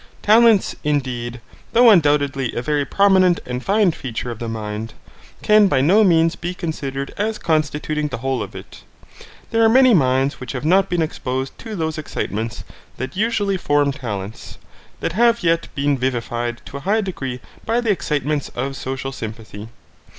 Talents, indeed, though undoubtedly a very prominent and fine feature of mind, can by no means be considered as constituting the whole of it. There are many minds which have not been exposed to those excitements that usually form talents, that have yet been vivified to a high degree by the excitements of social sympathy.